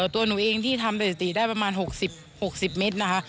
ตัวหนูเองที่ทำสถิติได้ประมาณ๖๐๖๐เมตรนะคะ